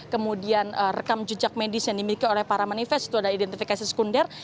kemudian rekam jejak medis yang dimiliki oleh para manifest itu ada identifikasi sekunder